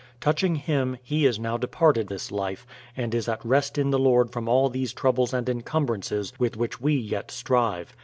Touching him, he is now departed this life, and is at rest in the Lord from all these troubles and incumbrances Avith which we yet strive.